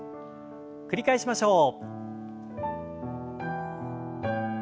繰り返しましょう。